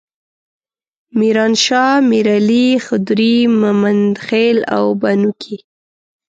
میرانشاه، میرعلي، خدري، ممندخیل او بنو کې.